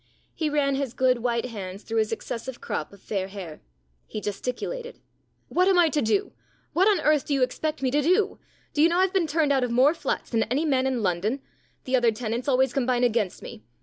He ran his good, white hands through his excessive crop of fair hair. He gesticulated. " What am I to do ? What on earth do you expect me to do ? Do you know I've been turned out of more flats than any man in London ? The other tenants always combine against me.